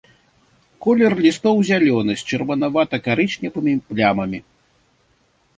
Колер лістоў зялёны з чырванавата-карычневымі плямамі.